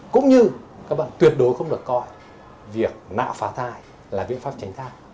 cũng như các bạn tuyệt đối không được coi việc nạo phá thai là biện pháp tránh thai